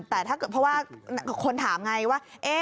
แต่ถ้าเกิดเพราะว่าคนถามไงว่า